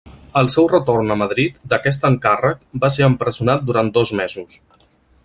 Al seu retorn a Madrid d'aquest encàrrec, va ser empresonat durant dos mesos.